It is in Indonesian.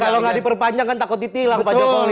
kalau nggak diperpanjang kan takut ditilang pak jokowi